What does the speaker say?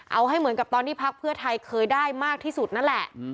เอาให้เหมือนกับตอนที่พักเพื่อไทยเคยได้มากที่สุดนั่นแหละ